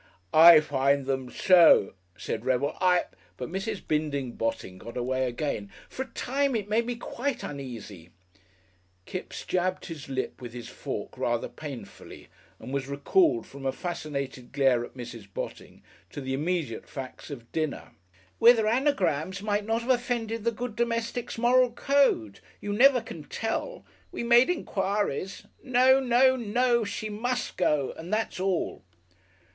"I find them so," said Revel. "I " But Mrs. Bindon Botting got away again. "For a time it made me quite uneasy " Kipps jabbed his lip with his fork rather painfully, and was recalled from a fascinated glare at Mrs. Botting to the immediate facts of dinner. " whether anagrams might not have offended the good domestic's Moral Code you never can tell. We made enquiries. No. No. No. She must go and that's all!"